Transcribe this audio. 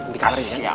tapi gak usah kasih